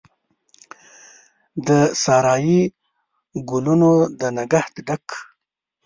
د سارایي ګلونو د نګهت ډک،